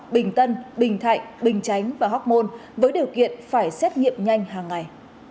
bình tân bình thạnh bình chánh và hóc môn với điều kiện phải xét nghiệm nhanh hàng ngày